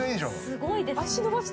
すごいですね。